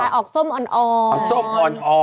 แต่ออกส้มอ่อนออกส้มอ่อน